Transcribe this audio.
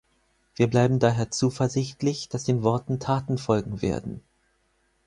Wir bleiben daher zuversichtlich, dass den Worten Taten folgen werden.